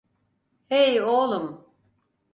Hey, oğlum.